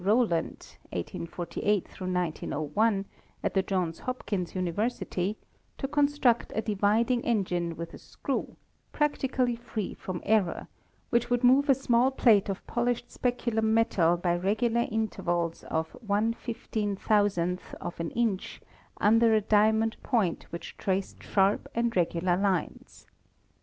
Rowland (1 848 1 901) at the Johns Hopkins University to construct a dividing engine with a screw, practically free from error, which would move a small plate of polished speculum metal by regular intervals of V«ooo of an inch under a diamond point which traced sharp and regular lines.